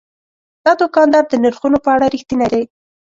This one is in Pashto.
دا دوکاندار د نرخونو په اړه رښتینی دی.